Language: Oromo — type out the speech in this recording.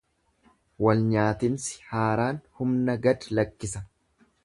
Walnyaatinsi haaraan humna gad lakkisa.